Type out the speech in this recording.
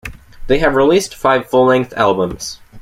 They have released five full-length albums.